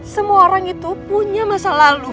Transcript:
semua orang itu punya masa lalu